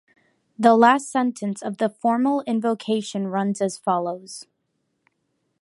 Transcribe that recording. The last sentences of the formal invocation run as follows.